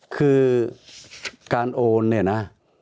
คือการโอนเนี่ยนะ